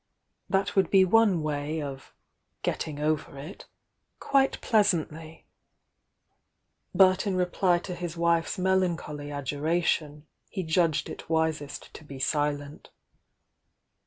Tha'. would be one way of getting over it" quite pleasantly,— but in re ply to his wife's melancholy adjuration, he judged it wisest to be silent.